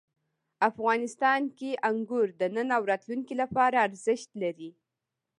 افغانستان کې انګور د نن او راتلونکي لپاره ارزښت لري.